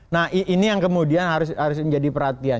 nah ini yang kemudian harus menjadi perhatian